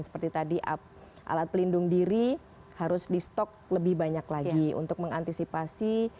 seperti tadi alat pelindung diri harus di stok lebih banyak lagi untuk mengantisipasi